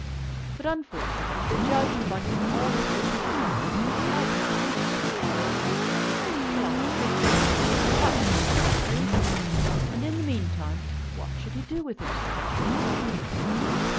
But, unfortunately, the judge by whom all this would be decided might not reach Tankerville in his travels till after Christmas, perhaps not till after Easter; and in the meantime, what should he do with himself?